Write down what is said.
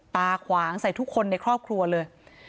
ขวางใส่ทุกคนในครอบครัวเลย